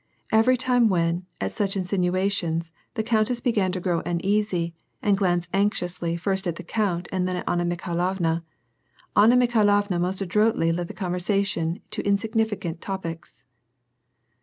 Every time when, at such insinuations, the countess began to grow uneasy, and glance anxiously first at the count and then at Anna Mikhailovna, Anna Mikhailovna most adroitly led the conversation to insignificant topics.